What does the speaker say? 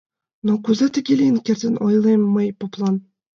— Но кузе тыге лийын кертын? — ойлем мый поплан.